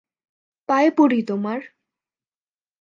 পায়ে পড়ি তোমার।